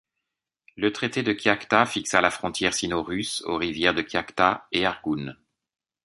Le traité de Kiakhta fixa la frontière sino-russe aux rivières Kiakhta et Argoun.